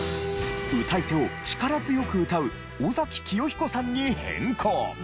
歌い手を力強く歌う尾崎紀世彦さんに変更！